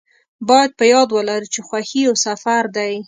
باید په یاد ولرو چې خوښي یو سفر دی.